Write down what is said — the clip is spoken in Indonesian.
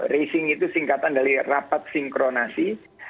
racing itu singkatan dari rapat sinkronasi